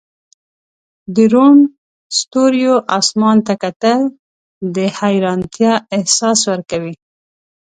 د روڼ ستوریو اسمان ته کتل د حیرانتیا احساس ورکوي.